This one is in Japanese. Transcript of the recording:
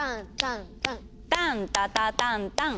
タンタタタンタン！